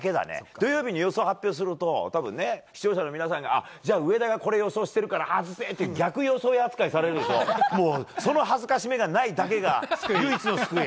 土曜日に予想を発表すると視聴者の皆さんが上田がこれ予想してるから外せ！って逆予想扱いされるからもう、その恥ずかしめがないのだけが唯一の救い。